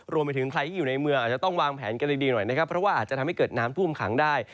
รวมไปถึงใครที่อยู่ในเมืองอาจจะต้องวางแผนกันดีหน่อยนะครับเพราะว่าอาจจะทำให้เกิดน้ำท่วมขังได้